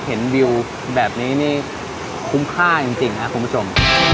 เห็นวิวแบบนี้นี่คุ้มค่าจริงครับคุณผู้ชม